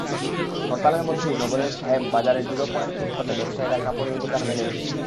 হরতালের মধ্যেই নগরের সাহেব বাজার জিরো পয়েন্টে ফুটপাতে ব্যবসায়ীরা কাপড়ের দোকান মেলে বসেছিলেন।